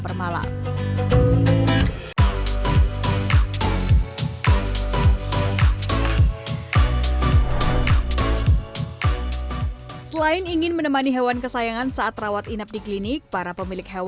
para pemilik hewan biasanya yang berpengalaman untuk menemani hewan kesayangan saat rawat inap di klinik